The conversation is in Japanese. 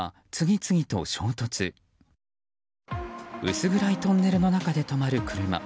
薄暗いトンネルの中で止まる車。